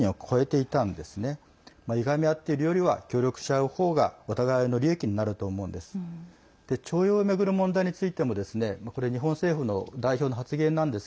いがみ合っているよりは協力し合う方がお互いの利益になると思うんです。